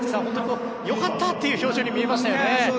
本当に、良かった！という表情に見えましたね。